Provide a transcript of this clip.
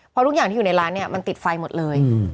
เพราะทุกอย่างที่อยู่ในร้านเนี่ยมันติดไฟหมดเลย